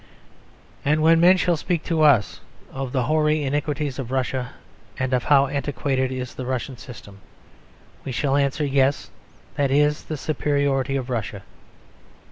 And when men shall speak to us of the hoary iniquities of Russia and of how antiquated is the Russian system, we shall answer "Yes; that is the superiority of Russia."